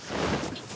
あっ。